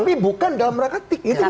tapi bukan dalam rangka tiket itu itu